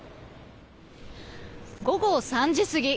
午後３時過ぎ。